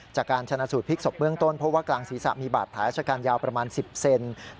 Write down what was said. จากการชนะสูดพลิกสบเบื้องต้นเพราะว่ากลางศรีษะมีบาดพลายชะการยาวประมาณ๑๐เซนติเมตร